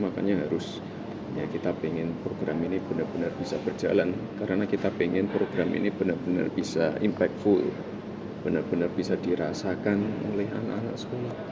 makanya harus ya kita ingin program ini benar benar bisa berjalan karena kita ingin program ini benar benar bisa impactful ya benar benar bisa dirasakan oleh anak anak sekolah